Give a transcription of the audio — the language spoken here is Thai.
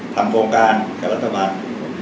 ทำโครงการกับรรษกราชบัตร